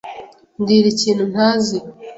Mbwira ikintu ntazi.